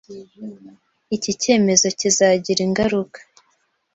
Iki cyemezo kizagira ingaruka